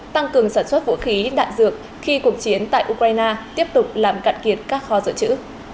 tăng cường sản xuất vũ khí đạn dược khi cuộc chiến tại ukraine tiếp tục làm cạn kiệt các kho dự trữ